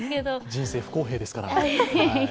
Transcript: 人生不公平ですから。